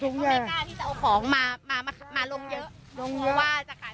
ตอนแรกก็ไม่กล้าที่จะเอาของมามามามาลงเยอะลงเยอะว่าจะ